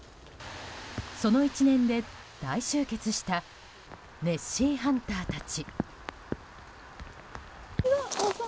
その一念で大集結したネッシーハンターたち。